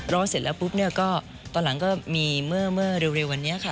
เสร็จแล้วปุ๊บเนี่ยก็ตอนหลังก็มีเมื่อเร็ววันนี้ค่ะ